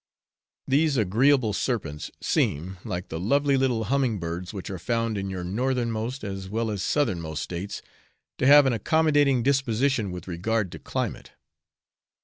These agreeable serpents seem, like the lovely little humming birds which are found in your northernmost as well as southernmost States, to have an accommodating disposition with regard to climate.